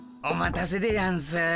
お待たせでやんす。